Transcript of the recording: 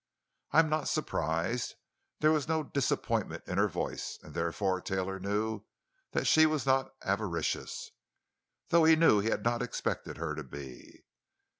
"I am not surprised." There was no disappointment in her voice, and therefore Taylor knew she was not avaricious—though he knew he had not expected her to be.